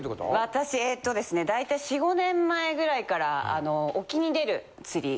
私えっとですね大体４５年前ぐらいから沖に出る釣り。